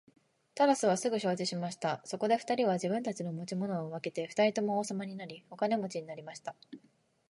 タラスはすぐ承知しました。そこで二人は自分たちの持ち物を分けて二人とも王様になり、お金持になりました。